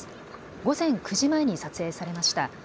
午前９時前に撮影されました。